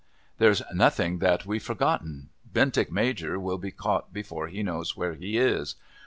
"There's nothing that we've forgotten. Bentinck Major will be caught before he knows where he is.